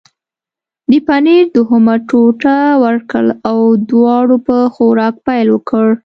د پنیر دوهمه ټوټه ورکړل او دواړو په خوراک پیل وکړ.